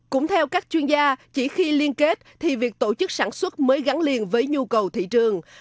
cũng theo các chuyên gia chỉ khi liên kết thì việc tổ chức sản xuất mới gắn liền với nhu cầu thị trường